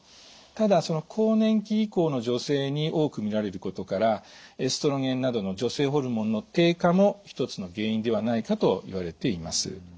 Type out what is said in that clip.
ただ更年期以降の女性に多くみられることからエストロゲンなどの女性ホルモンの低下も一つの原因ではないかといわれています。